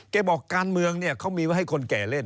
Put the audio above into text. แกบอกการเมืองเค้ามีไว้ให้คนแกเล่น